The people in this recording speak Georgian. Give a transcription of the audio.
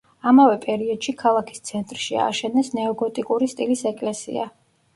ამავე პერიოდში ქალაქის ცენტრში ააშენეს ნეოგოტიკური სტილის ეკლესია.